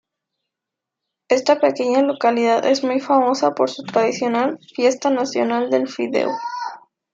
Esta pequeña localidad es muy famosa por su tradicional 'Fiesta Nacional del Fideo'.